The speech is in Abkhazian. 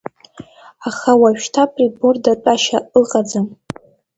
Аха уажәшьҭа приборда тәашьа ыҟаӡам.